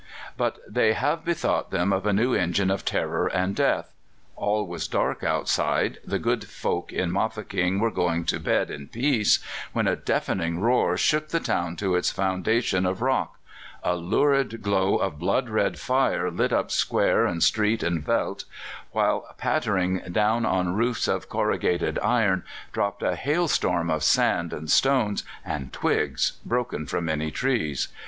But they have bethought them of a new engine of terror and death. All was dark outside, the good folk in Mafeking were going to bed in peace, when a deafening roar shook the town to its foundation of rock; a lurid glow of blood red fire lit up square and street and veldt, while pattering down on roofs of corrugated iron dropped a hailstorm of sand and stones, and twigs broken from many trees.